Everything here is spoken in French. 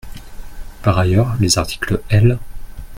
Par ailleurs, les articles L.